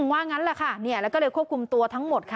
ว่างั้นแหละค่ะแล้วก็เลยควบคุมตัวทั้งหมดค่ะ